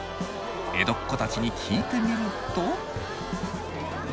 江戸っ子たちに聞いてみると。